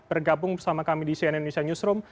bergabung bersama kami di cnn indonesia newsroom